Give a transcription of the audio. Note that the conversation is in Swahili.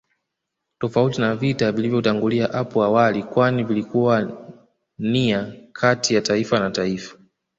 Tofauti na vita vilivyotangulia apo awali kwani vilikuwa nia kati ya taifa na taifa